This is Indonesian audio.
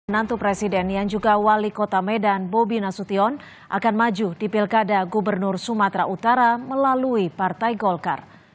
nantu presiden yang juga wali kota medan bobi nasution akan maju di pilkada gubernur sumatera utara melalui partai golkar